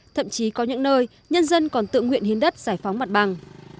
thậm chí có những nơi nhân dân còn tự nguyện hiến đất giải phóng mặt bằng